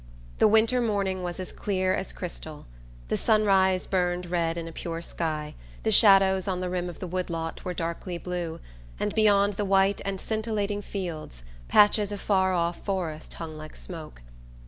The winter morning was as clear as crystal. The sunrise burned red in a pure sky, the shadows on the rim of the wood lot were darkly blue, and beyond the white and scintillating fields patches of far off forest hung like smoke.